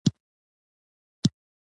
په پنجاب کې پاته شي.